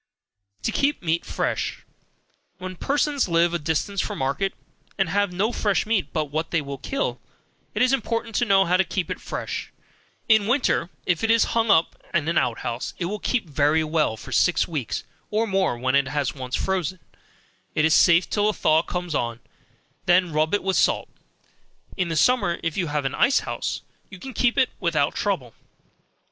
To Keep Meat Fresh. Where persons live a distance from market, and have no fresh meat but what they kill, it is important to know how to keep it fresh. In winter, if it is hung up in an out house, it will keep very well for six weeks, or more, when it has once frozen, it is safe till a thaw comes on, when rub it with salt. In the summer, if you have an ice house, you can keep it without trouble.